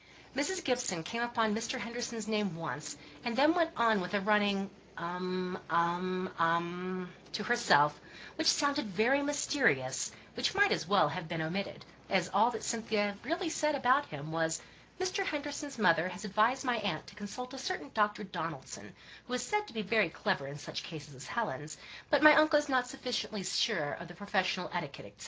Mrs. Gibson came upon Mr. Henderson's name once, and then went on with a running "um um um" to herself, which sounded very mysterious, but which might as well have been omitted, as all that Cynthia really said about him was, "Mr. Henderson's mother has advised my aunt to consult a certain Dr. Donaldson, who is said to be very clever in such cases as Helen's, but my uncle is not sufficiently sure of the professional etiquette, &c."